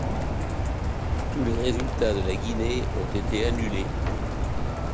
Tous les résultats de la Guinée ont été annulés.